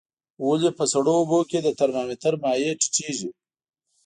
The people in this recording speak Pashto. ولې په سړو اوبو کې د ترمامتر مایع ټیټیږي؟